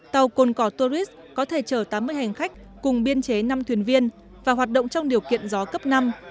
tàu cồn cỏ tourist có thể chở tám mươi hành khách cùng biên chế năm thuyền viên và hoạt động trong điều kiện gió cấp năm